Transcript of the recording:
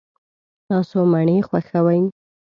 تاسو مڼې خوښوئ؟